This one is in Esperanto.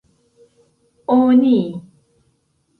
oni